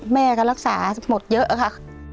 แม่ก็รักษาหมดเยอะค่ะ